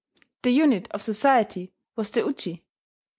The unit of society was the uji.